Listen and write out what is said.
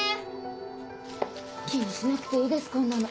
気にしなくていいですこんなの。